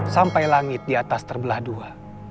sampai langit di atas terbelah dua